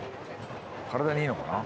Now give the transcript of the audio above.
体にいいのかな？